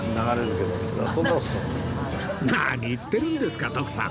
何言ってるんですか徳さん